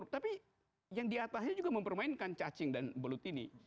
tapi yang diatasnya juga mempermainkan cacing dan belut ini